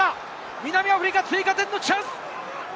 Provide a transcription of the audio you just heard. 南アフリカ、追加点のチャンス。